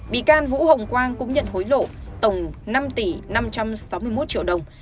bị can vũ hồng quang cũng nhận hối lộ tổng năm tỷ năm trăm sáu mươi một triệu đồng